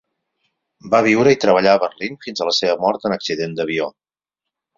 Va viure i treballar a Berlín fins a la seva mort en accident d'avió.